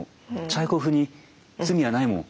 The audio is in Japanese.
チャイコフに罪はないもん。